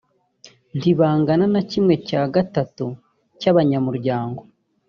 ntibangana na kimwe cya gatatu cyabanyamuryango.